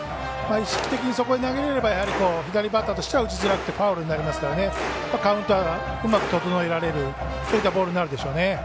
意識的にそこに投げられれば左バッターとしては打ちづらくてファウルになりますからカウントはうまく整えられるボールになるでしょうね。